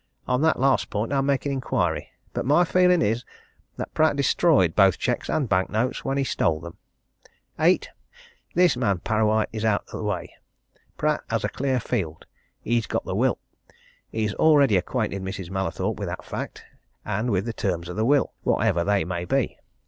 On that last point I'm making inquiry but my feeling is that Pratt destroyed both cheques and bank notes when he stole them. "8. This man Parrawhite out of the way, Pratt has a clear field. He's got the will. He's already acquainted Mrs. Mallathorpe with that fact, and with the terms of the will whatever they may be.